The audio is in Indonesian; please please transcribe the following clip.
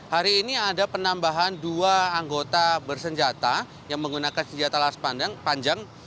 hari ini ada penambahan dua anggota bersenjata yang menggunakan senjata las panjang